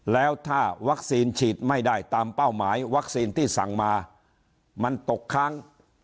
แล้วถ้าวัคซีนฉีดไม่ได้ตามเป้าหมายวัคซีนที่สั่งมามันตกค้าง